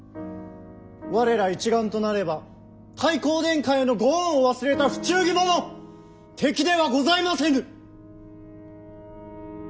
我ら一丸となれば太閤殿下へのご恩を忘れた不忠義者敵ではございませぬ！